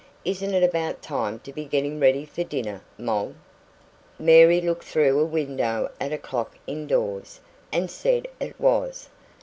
Isn't it about time to be getting ready for dinner, Moll?" Mary looked through a window at a clock indoors, and said it was.